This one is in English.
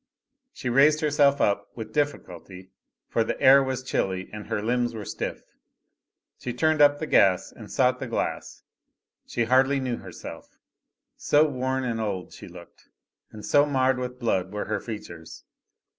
She raised herself up, with difficulty, for the air was chilly and her limbs were stiff. She turned up the gas and sought the glass. She hardly knew herself, so worn and old she looked, and so marred with blood were her features.